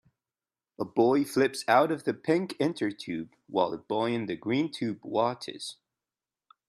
A boy flips out of the pink intertube while a boy in the green tube watches.